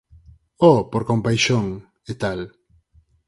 Oh, por compaixón, e tal.